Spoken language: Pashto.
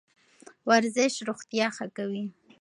ورزش روغتیا ښه کوي.